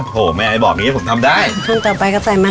เถี๋ยงอยู่ได้น้ำเดือด